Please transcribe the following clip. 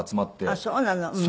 あっそうなの。